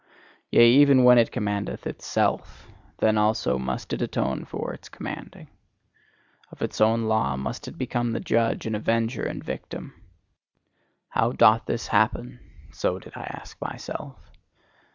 Yea, even when it commandeth itself, then also must it atone for its commanding. Of its own law must it become the judge and avenger and victim. How doth this happen! so did I ask myself.